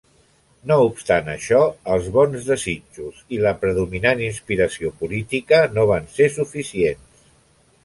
No obstant això, els bons desitjos i la predominant inspiració política no van ser suficients.